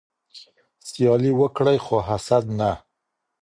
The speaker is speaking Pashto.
سیالي وکړئ خو حسد نه.